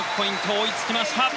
追いつきました。